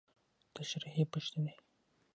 تشريحي پوښتنې: